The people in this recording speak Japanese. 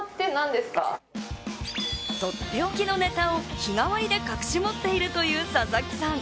とっておきのネタを日替わりで隠し持っているという佐々木さん。